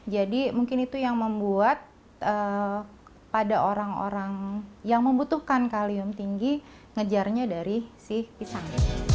jadi mungkin itu yang membuat pada orang orang yang membutuhkan kalium tinggi ngejarnya dari si pisang